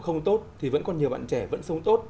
không tốt thì vẫn còn nhiều bạn trẻ vẫn sống tốt